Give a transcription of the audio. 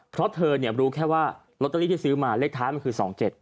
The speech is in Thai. เพราะเธอรู้แค่ว่าลอตเตอรี่ที่ซื้อมาเลขท้ายมันคือ๒๗